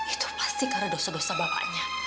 itu pasti karena dosa dosa bapaknya